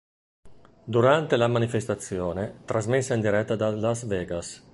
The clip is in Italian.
Durante la manifestazione, trasmessa in diretta da Las Vegas.